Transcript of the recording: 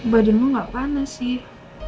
badanmu nggak panas sih